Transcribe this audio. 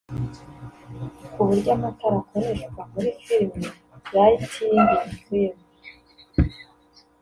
uburyo amatara akoreshwa muri film (Lighting in film)